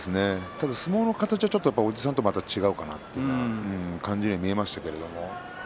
ただ相撲の形はおじさんとは違うかなという感じに見えましたけれども。